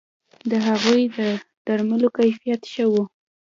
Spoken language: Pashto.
د هغوی د درملو کیفیت ښه وو